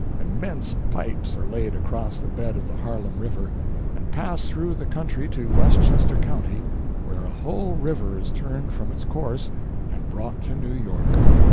Immense pipes are laid across the bed of the Harlem River, and pass through the country to Westchester County, where a whole river is turned from its course and brought to New York.